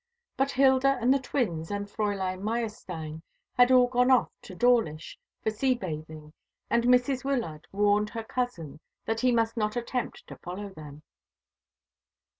But Hilda and the twins and Fräulein Meyerstein had all gone off to Dawlish for sea bathing, and Mrs. Wyllard warned her cousin that he must not attempt to follow them.